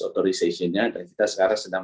authorization nya dan kita sekarang sedang